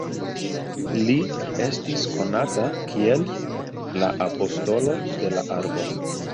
Li estis konata kiel "la apostolo de la arbo".